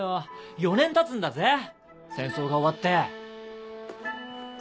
４年たつんだぜ戦争が終わって。